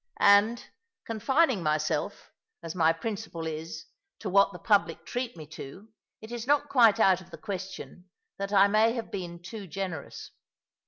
And, confining myself, as my principle is, to what the public treat me to, it is not quite out of the question that I may have been too generous.